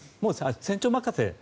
船長任せ。